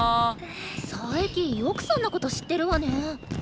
佐伯よくそんなこと知ってるわね。